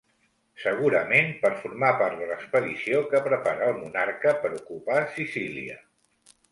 Segurament, per formar part de l’expedició que prepara el monarca per ocupar Sicília.